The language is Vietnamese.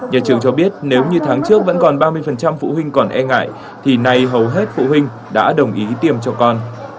nhà trường cho biết nếu như tháng trước vẫn còn ba mươi phụ huynh còn e ngại thì nay hầu hết phụ huynh đã đồng ý tiêm cho con